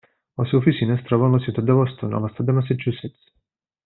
La seva oficina es troba en la ciutat de Boston, en l'estat de Massachusetts.